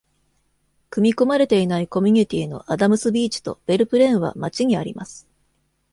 組み込まれていないコミュニティのアダムスビーチとベルプレーンは町にあります。